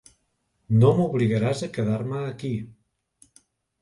No m'obligaràs a quedar-me aquí.